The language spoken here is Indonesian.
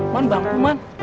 man bangku man